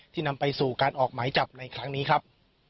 นำไปสู่การออกหมายจับในครั้งนี้ครับ